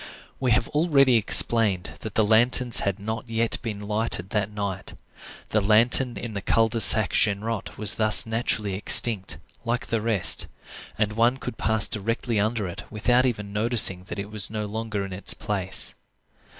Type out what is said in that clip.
We have already explained that the lanterns had not been lighted that night. The lantern in the Cul de Sac Genrot was thus naturally extinct, like the rest; and one could pass directly under it without even noticing that it was no longer in its place.